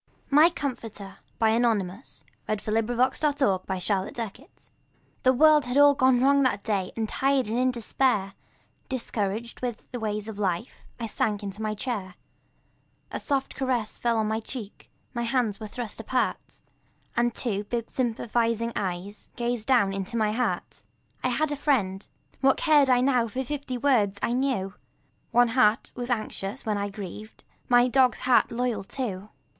MY COMFORTER The world had all gone wrong that day And tired and in despair, Discouraged with the ways of life, I sank into my chair. A soft caress fell on my cheek, My hands were thrust apart. And two big sympathizing eyes Gazed down into my heart. I had a friend; what cared I now For fifty worlds? I knew One heart was anxious when I grieved My dog's heart, loyal, true.